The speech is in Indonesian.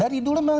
dari dulu memang